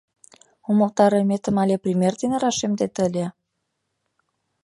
— Умылтарыметым ала пример дене рашемдет ыле?